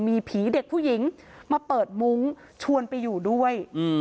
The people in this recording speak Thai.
มีผีเด็กผู้หญิงมาเปิดมุ้งชวนไปอยู่ด้วย